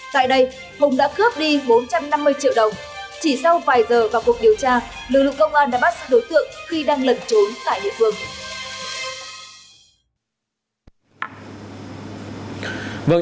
tại đây hùng đã cướp đi bốn trăm năm mươi triệu đồng chỉ sau vài giờ vào cuộc điều tra lực lượng công an đã bắt giữ đối tượng khi đang lẩn trốn tại địa phương